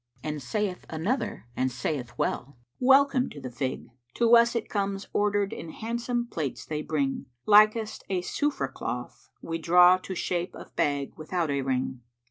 "[FN#391] And saith another and saith well, "Welcome[FN#392] the Fig! To us it comes * Ordered in handsome plates they bring: Likest a Sufrah[FN#393] cloth we draw * To shape of bag without a ring."